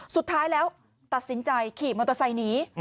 สุดท้ายแล้วตัดสินใจขี่มอเตอร์ไซค์หนี